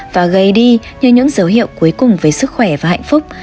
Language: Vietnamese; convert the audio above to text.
và gây đi như những dấu hiệu cuối cùng về sức khỏe và hạnh phúc